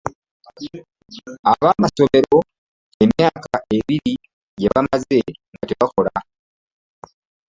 Abaamasomero emyaka ebiri gye bamaze nga tebakola.